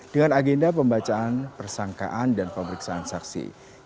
dengan agenda pembacaan persangkaan dan pemeriksaan saksi